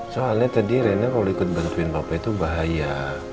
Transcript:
soalnya tadi rina kalau ikut bantuin papa itu bahaya